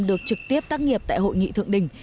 được trực tiếp tác nghiệp tại hội nghị thượng đỉnh